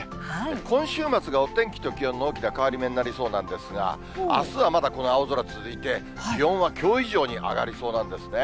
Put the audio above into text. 今週末がお天気と気温の大きな変わり目になりそうなんですが、あすはまだこの青空続いて、気温はきょう以上に上がりそうなんですね。